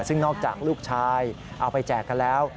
ซึ่งนอกจากลูกชายเอาไปแจกกันแล้ว